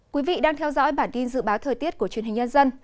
quý vị đang theo dõi bản tin dự báo thời tiết của truyền hình nhân dân